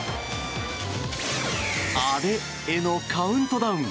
あれへのカウントダウン。